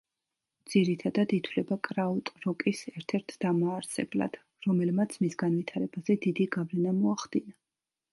ძირითადად ითვლება კრაუტროკის ერთ-ერთ დამაარსებლად, რომელმაც მის განვითარებაზე დიდი გავლენა მოახდინა.